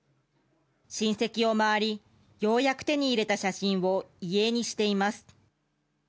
親戚を回り、ようやく手に入れた写真を遺影にしています。